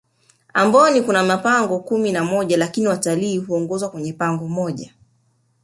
amboni Kuna mapango kumi na moja lakini watilii huongozwa kwenye pango moja